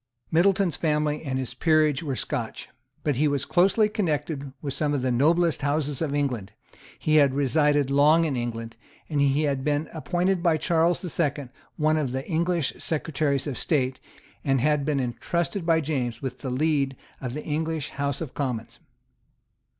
Middleton's family and his peerage were Scotch. But he was closely connected with some of the noblest houses of England; he had resided long in England; he had been appointed by Charles the Second one of the English Secretaries of State, and had been entrusted by James with the lead of the English House of Commons.